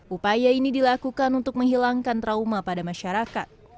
upaya ini dilakukan untuk menghilangkan trauma pada masyarakat